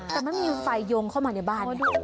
แต่ไม่มีไฟโยงเข้ามาในบ้าน